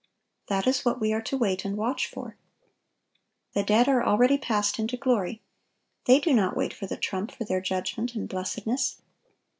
That is what we are to wait and watch for. The dead are already passed into glory. They do not wait for the trump for their judgment and blessedness."